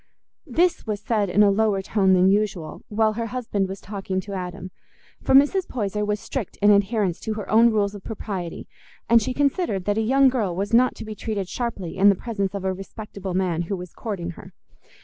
This was said in a lower tone than usual, while her husband was talking to Adam; for Mrs. Poyser was strict in adherence to her own rules of propriety, and she considered that a young girl was not to be treated sharply in the presence of a respectable man who was courting her.